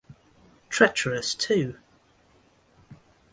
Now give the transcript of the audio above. Treacherous Too!